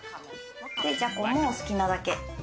じゃこもお好きなだけ。